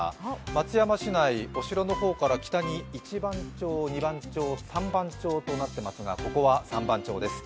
松山市内お城の方から北に一番町、二番町、三番町となっていますが、ここは三番町です。